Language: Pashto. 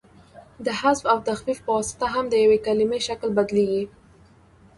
د حذف او تخفیف په واسطه هم د یوې کلیمې شکل بدلیږي.